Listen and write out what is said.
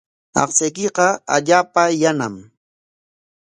Aqchaykiqa allaapa yanam.